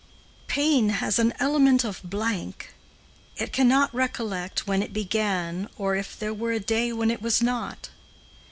Pain has an element of blank; It cannot recollect When it began, or if there were A day when it was not.